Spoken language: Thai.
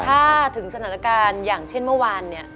ถ้าถึงสถานการณ์อย่างเช่นเมื่อวานเนี่ย